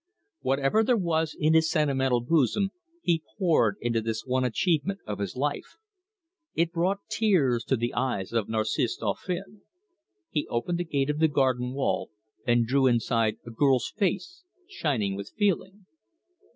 Whatever there was in his sentimental bosom he poured into this one achievement of his life. It brought tears to the eyes of Narcisse Dauphin. It opened a gate of the garden wall, and drew inside a girl's face, shining with feeling.